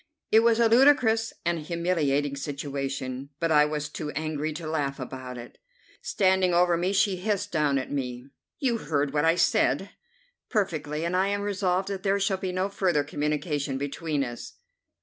It was a ludicrous and humiliating situation, but I was too angry to laugh about it. Standing over me, she hissed down at me: "You heard what I said." "Perfectly, and I am resolved that there shall be no further communication between us."